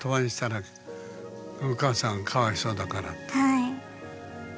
はい。